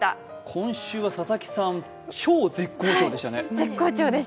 今週は佐々木さん、超絶好調でしたね。